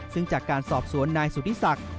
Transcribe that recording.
ซึ่งจากการสอบสวนนายสุธิศักดิ์